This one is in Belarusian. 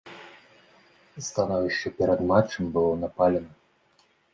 Становішча перад матчам было напалена.